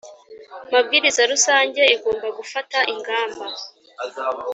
Mabwiriza rusange igomba gufata ingamba